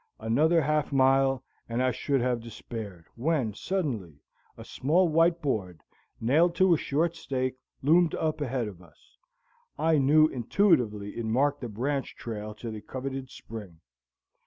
Another half mile, and I should have despaired, when, suddenly, a small white board, nailed to a short stake, loomed up ahead of us. I knew intuitively it marked the branch trail to the coveted spring.